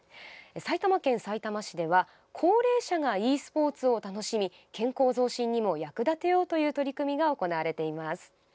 埼玉県さいたま市では高齢者がｅスポーツを楽しみ健康増進にも役立てようという取り組みが行われています。